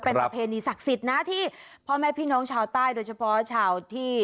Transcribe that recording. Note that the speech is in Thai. เป็นประเพณีศักดิ์สิทธิ์นะที่พ่อแม่พี่น้องชาวใต้โดยเฉพาะชาวที่